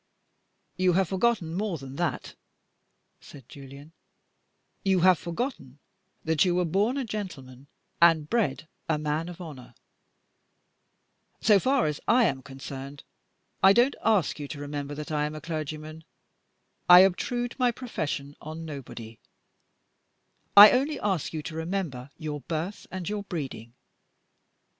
"You have forgotten more than that," said Julian. "You have forgotten that you were born a gentleman and bred a man of honor. So far as I am concerned, I don't ask you to remember that I am a clergyman I obtrude my profession on nobody I only ask you to remember your birth and your breeding.